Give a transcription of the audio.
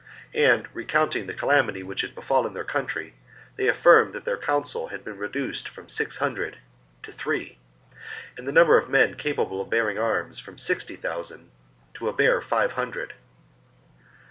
c. and, recounting the calamity which had befallen their country, they affirmed that their council had been reduced from six hundred to three, and the number of men capable of bearing arms from sixty thousand to a bare five hundred.